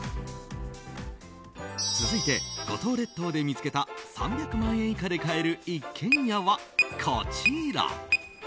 続いて、五島列島で見つけた３００万円以下で買える一軒家はこちら。